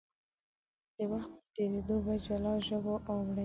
د وخت په تېرېدو په جلا ژبو اوړي.